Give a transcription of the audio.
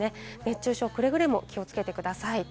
熱中症、くれぐれも気をつけてください。